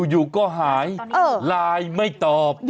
อยู่ก็หายไลน์ไม่ตอบ